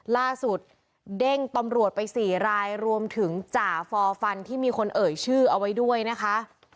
เด้งตำรวจไปสี่รายรวมถึงจ่าฟอร์ฟันที่มีคนเอ่ยชื่อเอาไว้ด้วยนะคะ